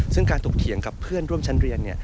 ซึ่งการถกเถียงกับเพื่อนร่วมชั้นเรียน